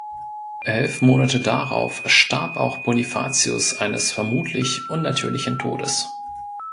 Elf Monate darauf starb auch Bonifatius eines vermutlich unnatürlichen Todes.